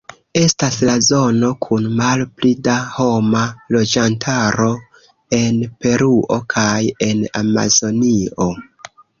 Estas la zono kun malpli da homa loĝantaro en Peruo kaj en Amazonio.